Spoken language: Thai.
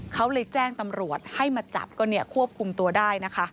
เขาเลยแจ้งตำรวจให้มาจับก็ควบคุมตัวได้นะคะ